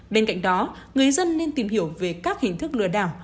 bên cạnh đó người dân nên tìm hiểu về các hình thức lừa đảo